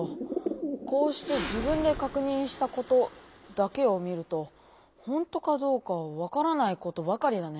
こうして自分で確認したことだけを見るとほんとかどうかは分からないことばかりだね。